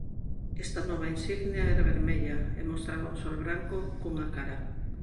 Esta nova insignia era vermella e mostraba un sol branco cunha cara.